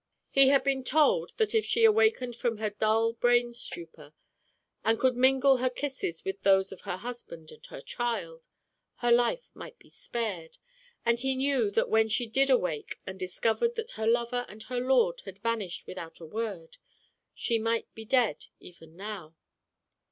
He had been told that if she awakened from her dull brain stupor, and could mingle her kisses with those of her husband and her child, her life might be spared, and he knew that when she did awake and discov ered that her lover and her lord had vanished without a word, she might be dead even now.